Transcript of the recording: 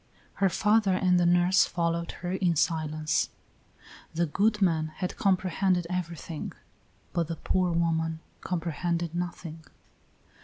Her father and the nurse followed her in silence. The good man had comprehended everything, but the poor woman comprehended nothing.